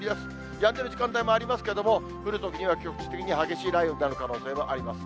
やんでる時間帯もありますけれども、降るときには局地的に激しい雷雨になる可能性もあります。